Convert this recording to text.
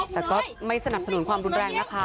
แต่ก็ไม่สนับสนุนความรุนแรงนะคะ